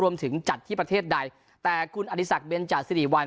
รวมถึงจัดที่ประเทศใดแต่คุณอธิสักย์เบนจ่าซิริวัล